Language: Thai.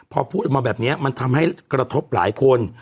พอพูดออกมาแบบนี้มันทำให้กระทบหลายคน